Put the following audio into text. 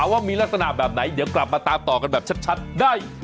ว่ามีลักษณะแบบไหนเดี๋ยวกลับมาตามต่อกันแบบชัดได้